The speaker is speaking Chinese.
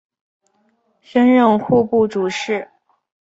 升任户部主事。